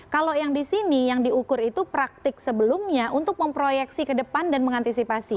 kalau yang di sini yang diukur itu praktik sebelumnya untuk memproyeksi ke depan dan mengantisipasi